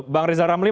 bang rizal ramli